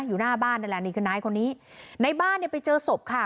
อยู่หน้าบ้านนั่นแหละนี่คือนายคนนี้ในบ้านเนี่ยไปเจอศพค่ะ